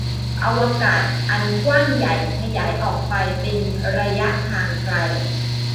อวกาศอันกว้างใหญ่ขยายออกไปเป็นระยะทางไกล